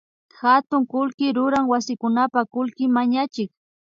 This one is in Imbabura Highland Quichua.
Hatun kullki ruran wasikunapak kullki mañachik